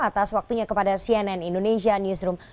atas waktunya kepada cnn indonesia newsroom